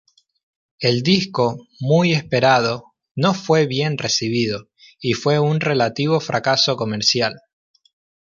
El disco, muy esperado, no fue bien recibido, y fue un relativo fracaso comercial.